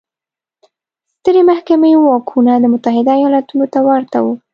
د سترې محکمې واکونه د متحده ایالتونو ته ورته وو.